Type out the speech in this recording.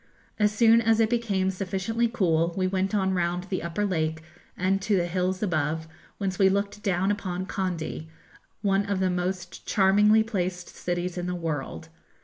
As soon as it became sufficiently cool we went on round the upper lake and to the hills above, whence we looked down upon Kandy, one of the most charmingly placed cities in the world.